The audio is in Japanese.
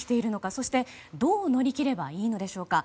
そしてどう乗り切ればいいのでしょうか。